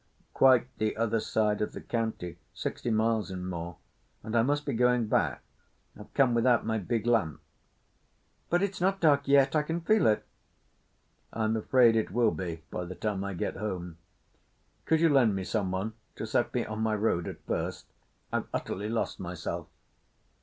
"Quite the other side of the county—sixty miles and more, and I must be going back. I've come without my big lamp." "But it's not dark yet. I can feel it." "I'm afraid it will be by the time I get home. Could you lend me someone to set me on my road at first? I've utterly lost myself."